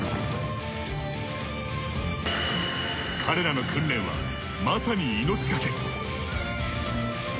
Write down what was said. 彼らの訓練はまさに命がけ。